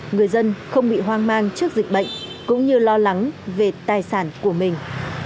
người dân không bị hoang mang trước dịch bệnh cũng như lo lắng về tài sản của mình